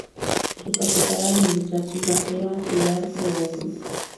Su capital administrativa era la ciudad de Oulu.